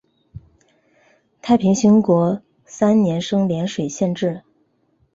太平兴国三年升涟水县置。